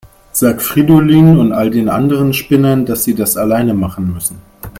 Sag Fridolin und all den anderen Spinnern, dass sie das alleine machen müssen.